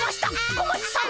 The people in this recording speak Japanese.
小町さん！